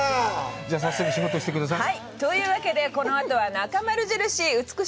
じゃあ早速仕事してください。